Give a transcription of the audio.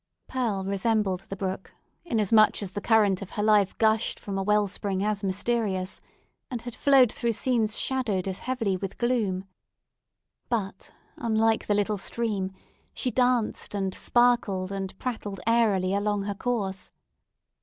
Pearl resembled the brook, inasmuch as the current of her life gushed from a well spring as mysterious, and had flowed through scenes shadowed as heavily with gloom. But, unlike the little stream, she danced and sparkled, and prattled airily along her course.